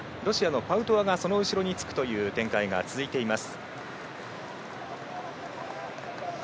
パウトワがその後ろにつくという展開が続いています。